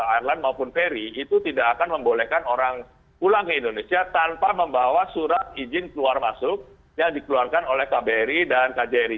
airline maupun ferry itu tidak akan membolehkan orang pulang ke indonesia tanpa membawa surat izin keluar masuk yang dikeluarkan oleh kbri dan kjri